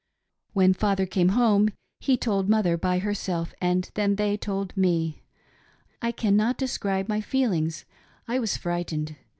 When father came home he told mother by herself ; then they told me. I cannot describe my feelings ; I was frightened.